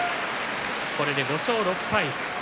これで５勝６敗。